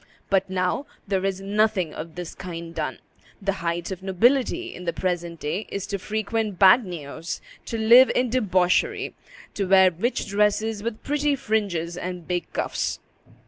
But now, there is nothing of this kind done; the height of nobility in the present day is to frequent bagnios, to live in debauchery, to wear rich dresses with pretty fringes and big cuffs.